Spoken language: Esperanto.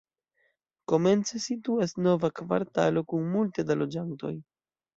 Komence situas nova kvartalo kun multe da loĝantoj.